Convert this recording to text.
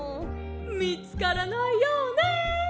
「みつからないようね」。